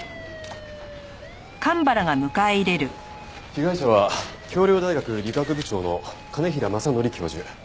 被害者は京陵大学理工学部長の兼平政則教授。